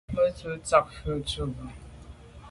Me tswe’ tsha mfe tu bwe.